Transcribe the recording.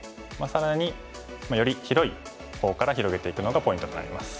更により広い方から広げていくのがポイントとなります。